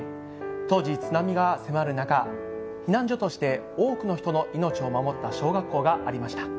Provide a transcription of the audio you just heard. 当時、津波が迫る中、避難所として多くの人の命を守った小学校がありました。